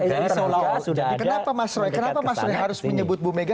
jadi kenapa mas roy harus menyebut ibu mega